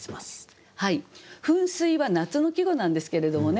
「噴水」は夏の季語なんですけれどもね